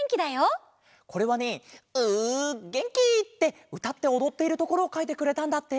これはね「ＷＯＯＯＯＯげんき！」ってうたっておどっているところをかいてくれたんだって。